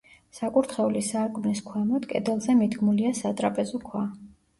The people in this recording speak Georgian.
საკურთხევლის სარკმლის ქვემოთ, კედელზე მიდგმულია სატრაპეზო ქვა.